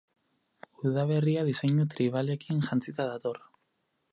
Udaberria diseinu tribalekin jantzita dator.